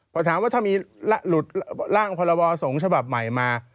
เพราะถามว่าถ้ามีเหลือหลุดร่างพลบศศฉบับใหม่มา